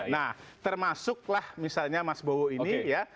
nah termasuklah misalnya mas bowo ini ya